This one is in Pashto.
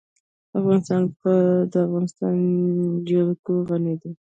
افغانستان په د افغانستان جلکو غني دی.